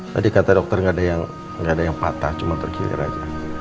tadi kata dokter gak ada yang patah cuma terkeliru saja